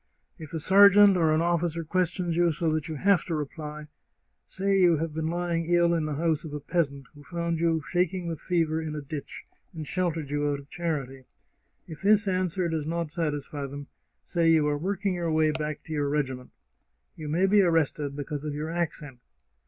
If a ser geant or an officer questions you so that you have to reply, say you have been lying ill in the house of a peasant, who 33 The Chartreuse of Parma found you shaking with fever in a ditch, and sheltered you out of charity. If this answer does not satisfy them, say you are working your way back to your regiment. You may be arrested because of your accent.